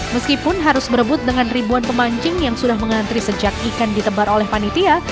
meskipun harus berebut dengan ribuan pemancing yang sudah mengantri sejak ikan ditebar oleh panitia